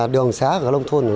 đường xá của nông thôn